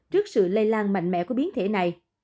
trước sự lây lan mạnh mẽ của biến thể này